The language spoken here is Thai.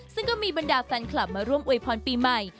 ซึ่งก็มีบรรดาแฟนคลับมาร่วมอวยพรปีใหม่